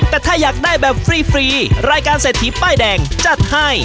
แต่ถ้าอยากได้แบบฟรีรายการเศรษฐีป้ายแดงจัดให้